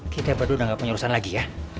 kita berdua udah gak punya urusan lagi ya